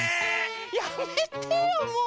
やめてよもう！